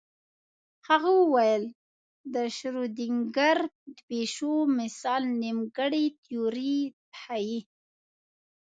هغه ویل د شرودینګر د پیشو مثال نیمګړې تیوري ښيي.